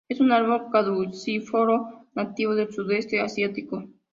Es un árbol caducifolio nativo del sudeste asiático.